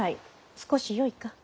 少しよいか？